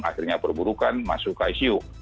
akhirnya perburukan masuk ke icu